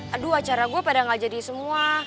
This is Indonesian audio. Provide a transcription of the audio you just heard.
aduh acara gue pada gak jadi semua